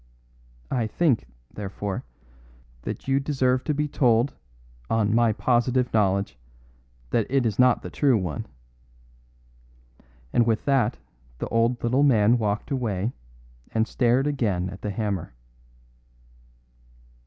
I think, therefore, that you deserve to be told, on my positive knowledge, that it is not the true one." And with that the old little man walked away and stared again at the hammer.